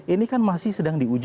ini kan masih sedang diuji